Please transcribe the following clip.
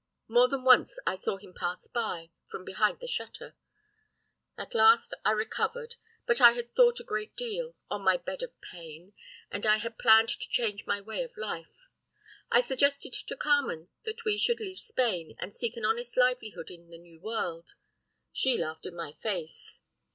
More than once I saw him pass by, from behind the shutter. At last I recovered, but I had thought a great deal, on my bed of pain, and I had planned to change my way of life. I suggested to Carmen that we should leave Spain, and seek an honest livelihood in the New World. She laughed in my face.